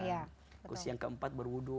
terus yang keempat berwudu